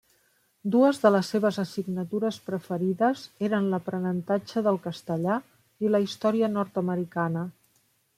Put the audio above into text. Dues de les seves assignatures preferides eren l'aprenentatge del castellà i la història nord-americana.